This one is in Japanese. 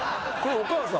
お母さん？